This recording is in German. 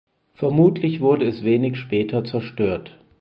Vermutlich wurde es wenig später zerstört.